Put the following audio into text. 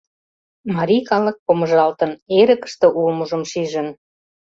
Марий калык помыжалтын, эрыкыште улмыжым шижын...